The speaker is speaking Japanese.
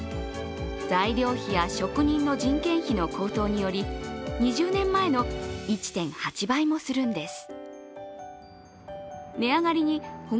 材料費や職人の人件費の高騰により２０年前の１．８倍もするんです。